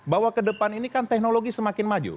bahwa ke depan ini kan teknologi semakin maju